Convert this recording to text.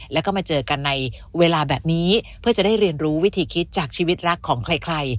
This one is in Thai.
แล้วก็มาเจอกันในเวลาแบบนี้เพื่อจะได้เรียนรู้วิธีคิดจากชีวิตรักของใคร